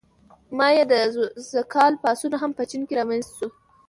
مائو او د ز کال پاڅون هم په چین کې رامنځته شو.